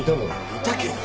いたけど。